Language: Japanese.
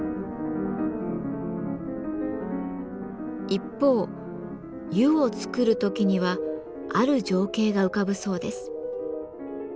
一方「ゆ」を作る時にはある情景が浮かぶそうです。